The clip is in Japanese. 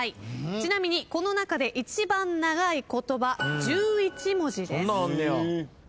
ちなみにこの中で一番長い言葉１１文字です。